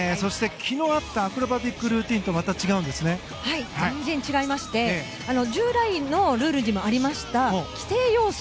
昨日あったアクロバティックルーティンとは全然違いまして従来のルールにありました規定要素